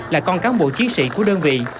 là con cán bộ chiến sĩ của đơn vị